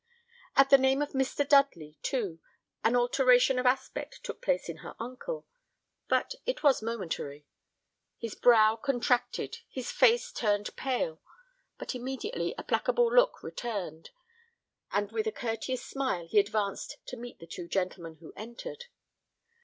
At the name of Mr. Dudley, too, an alteration of aspect took place in her uncle, but it was momentary; his brow contracted, his face turned pale, but immediately a placable look returned, and with a courteous smile he advanced to meet the two gentlemen who entered.